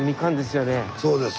そうです。